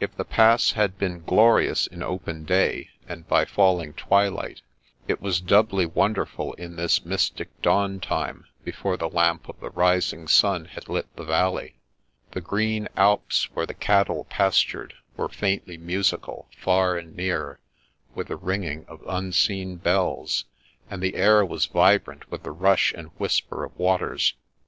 If the Pass had been glorious in open day, and by falling twilight, it was doubly wonderful in this mystic dawn time before the lamp of the rising sun had lit the valley. The green alps where the cattle pastured were faintly musical, far and near, with the ringing of unseen bells, and the air was vibrant with the rush and whisper of waters.